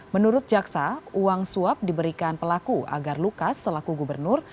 menurut jaksa uang suap diberikan pelaku agar lukas selaku gubernur